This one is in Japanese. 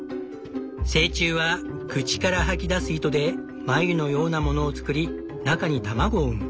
成虫は口から吐き出す糸でまゆのようなものを作り中に卵を産む。